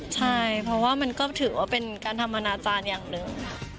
ใช่เพราะว่ามันก็ถือว่าเป็นการทำอนาจารย์อย่างหนึ่ง